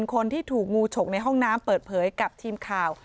คนที่ถูกงูฉกในห้องน้ำเปิดเผยกับทีมข่าว